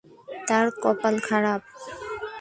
তার কপাল খারাপ।